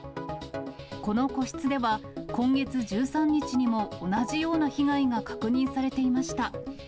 この個室では、今月１３日にも同じような被害が確認されていました。